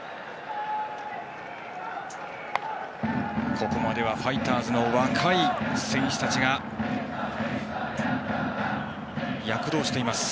ここまではファイターズの若い選手たちが躍動しています。